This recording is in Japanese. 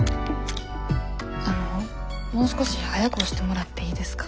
あのもう少し早く押してもらっていいですか？